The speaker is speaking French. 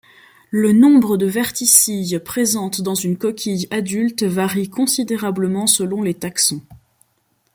Le nombre de verticilles présentes dans une coquille adulte varie considérablement selon les taxons.